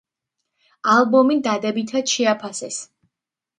ალბომი დადებითად შეაფასეს.